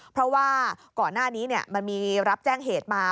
เพราะว่าก่อนหน้านี้มันมีรับแจ้งเหตุมา